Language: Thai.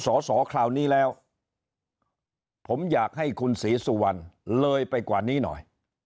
สอสอคราวนี้แล้วผมอยากให้คุณศรีสุวรรณเลยไปกว่านี้หน่อย